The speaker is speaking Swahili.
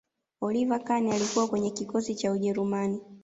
oliver kahn alikuwa kwenye kikosi cha ujerumani